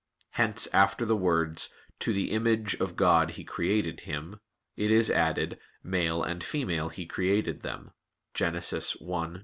Hence after the words, "To the image of God He created him," it is added, "Male and female He created them" (Gen. 1:27).